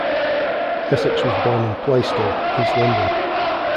Essex was born in Plaistow, east London.